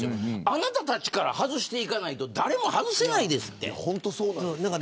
あなたたちから外さないと誰も外せないって。